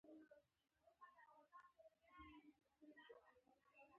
ایا زه باید صفايي وکړم؟